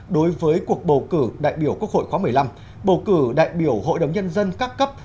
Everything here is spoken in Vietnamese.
đối với cuộc bầu cử đại biểu quốc hội khóa một mươi năm bầu cử đại biểu hội đồng nhân dân các cấp